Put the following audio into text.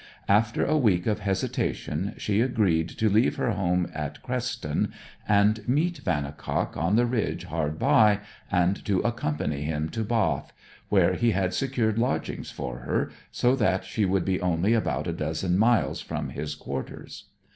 After a week of hesitation she agreed to leave her home at Creston and meet Vannicock on the ridge hard by, and to accompany him to Bath, where he had secured lodgings for her, so that she would be only about a dozen miles from his quarters.